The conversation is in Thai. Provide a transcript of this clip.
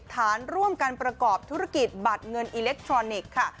ฐานร่วมกันประกอบธุรกิจบัตรเงินอิเล็กทรอนิกส์ค่ะ